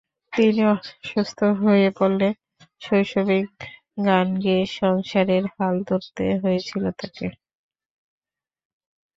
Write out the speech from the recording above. তিনি অসুস্থ হয়ে পড়লে শৈশবেই গান গেয়ে সংসারের হাল ধরতে হয়েছিল তাঁকে।